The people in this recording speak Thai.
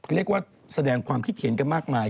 เรียกว่าแสดงความคิดเห็นกันมากมาย